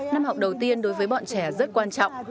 năm học đầu tiên đối với bọn trẻ rất quan trọng